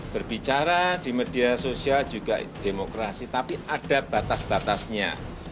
berbicara di media sosial juga demokrasi tapi ada batas batasnya